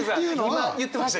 今言ってました。